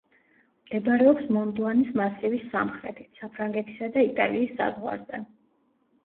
მდებარეობს მონბლანის მასივის სამხრეთით, საფრანგეთისა და იტალიის საზღვარზე.